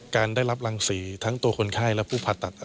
การได้รับรังสีทั้งตัวคนไข้และผู้ผ่าตัด